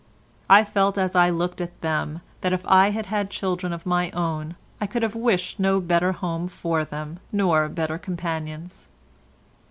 I felt as I looked at them, that if I had had children of my own I could have wished no better home for them, nor better companions.